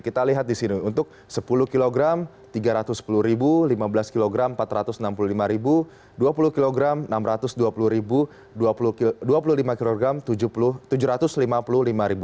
kita lihat di sini untuk sepuluh kg rp tiga ratus sepuluh lima belas kg rp empat ratus enam puluh lima dua puluh kg rp enam ratus dua puluh lima kg rp tujuh ratus lima puluh lima